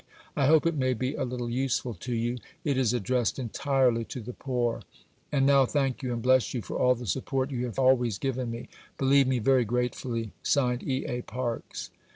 I hope it may be a little useful to you. It is addressed entirely to the poor. And now thank you and bless you for all the support you have always given me. Believe me, very gratefully, (signed) E. A. PARKES.